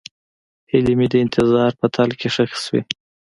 هیلې مې د انتظار په تل کې ښخې شوې.